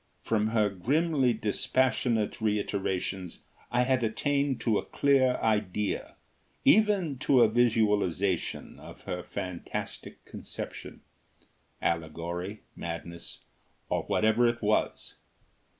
From her grimly dispassionate reiterations I had attained to a clear idea, even to a visualisation, of her fantastic conception allegory, madness, or whatever it was.